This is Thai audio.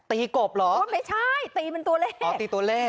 กบเหรอโอ้ไม่ใช่ตีเป็นตัวเลขอ๋อตีตัวเลข